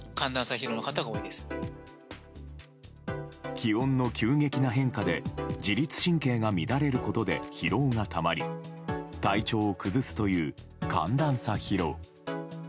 気温の急激な変化で自律神経が乱れることで疲労がたまり体調を崩すという寒暖差疲労。